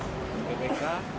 sampai ke ppk dan dps